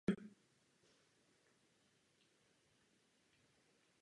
Současně bylo ústřední pracoviště přejmenováno na generální ředitelství.